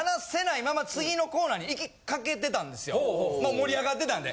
盛り上がってたんで。